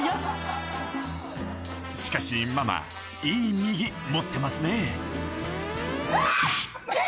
しかしママいい右持ってますね